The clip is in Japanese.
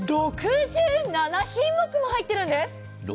６７品目も入っているんです！